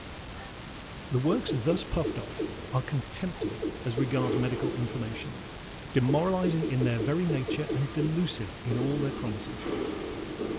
The works thus puffed off are contemptible as regards medical information, demoralising in their very nature, and delusive in all their promises.